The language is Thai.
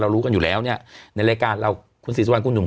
รู้กันอยู่แล้วเนี่ยในรายการเราคุณศรีสุวรรณคุณหนุ่ม